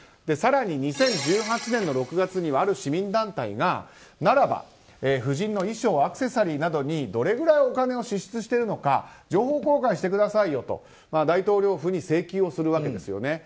更に２０１８年の６月にはある市民団体が、ならば夫人の衣装、アクセサリーなどにどれくらいお金を支出しているのか情報公開してくださいよと大統領府に請求をするわけですね。